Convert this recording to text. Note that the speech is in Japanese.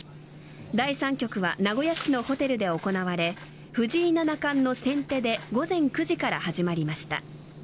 第３局は名古屋市のホテルで行われ藤井七冠の先手で午前９時から始まりました。